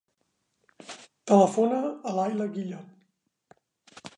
Telefona a l'Ayla Guillot.